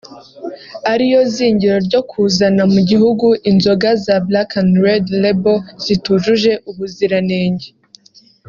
ariyo zingiro ryo kuzana mu gihugu inzoga za Black na Red label zitujuje ubuziranenge